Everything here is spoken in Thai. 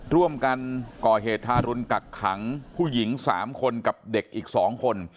ร่วมกันก่อเหตุทารุณกักขังผู้หญิง๓คนกับเด็กอีก๒คน